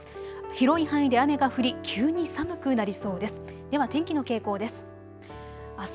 広い範囲で雨が降り急に寒くなりそうです。